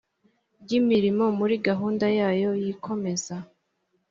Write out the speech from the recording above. ry imirimo muri gahunda yayo y ikomeza